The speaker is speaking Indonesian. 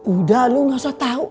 udah lu gak usah tau